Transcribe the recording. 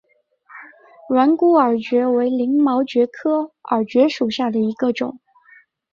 软骨耳蕨为鳞毛蕨科耳蕨属下的一个种。